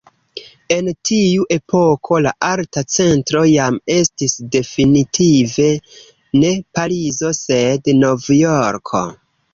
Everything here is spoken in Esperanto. En tiu epoko la arta centro jam estis definitive ne Parizo sed Novjorko.